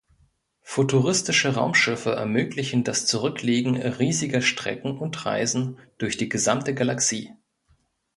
Futuristische Raumschiffe ermöglichen das Zurücklegen riesiger Strecken und Reisen durch die gesamte Galaxie.